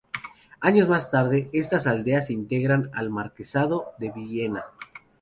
Años más tarde, estas aldeas se integran en el Marquesado de Villena.